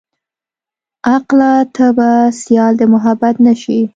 عقله ته به سيال د محبت نه شې.